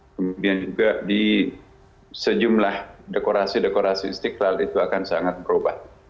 kemudian juga di sejumlah dekorasi dekorasi istiqlal itu akan sangat berubah